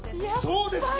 そうですよ。